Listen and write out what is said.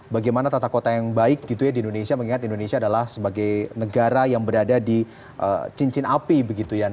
bagaimana tata kota yang baik gitu ya di indonesia mengingat indonesia adalah sebagai negara yang berada di cincin api begitu ya